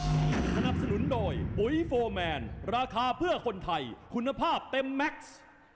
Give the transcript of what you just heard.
สนับสนุนโดยปุ๋ยโฟร์แมนราคาเพื่อคนไทยคุณภาพเต็มแม็กซ์